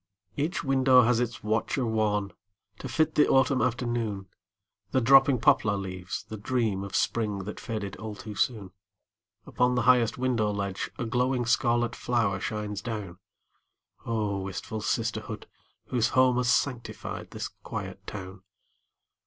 Each window has its watcher wan To fit the autumn afternoon, The dropping poplar leaves, the dream Of spring that faded all too soon. Upon the highest window ledge A glowing scarlet flower shines down. Oh, wistful sisterhood, whose home Has sanctified this quiet town!